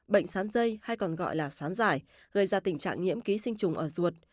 bệnh sán dây hay còn gọi là sán giải gây ra tình trạng nhiễm ký sinh trùng ở ruột